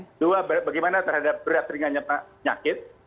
kemudian keempat bagaimana terhadap berat ringan nyakit